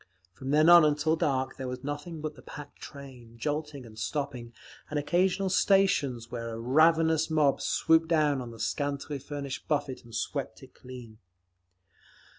From then on until dark there was nothing but the packed train, jolting and stopping, and occasional stations where a ravenous mob swooped down on the scantily furnished buffet and swept it clean….